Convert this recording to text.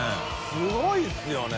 すごいですよね。